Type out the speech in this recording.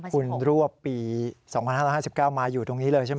คุณรวบปี๒๕๕๙มาอยู่ตรงนี้เลยใช่ไหม